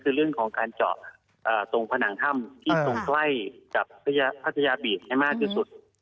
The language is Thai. คือเรื่องของการเจาะตรงผนังถ้ำที่ตรงใกล้กับพัทยาบีชให้มากที่สุด